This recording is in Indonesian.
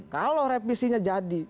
kalau reprisinya jadi